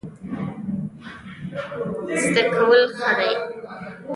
زده کول ښه دی.